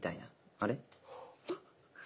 あれ？